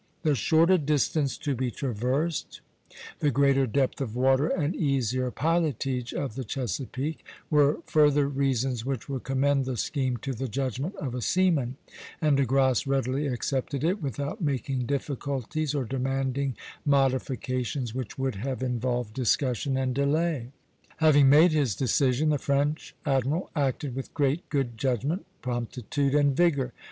The shorter distance to be traversed, the greater depth of water and easier pilotage of the Chesapeake, were further reasons which would commend the scheme to the judgment of a seaman; and De Grasse readily accepted it, without making difficulties or demanding modifications which would have involved discussion and delay. Having made his decision, the French admiral acted with great good judgment, promptitude, and vigor.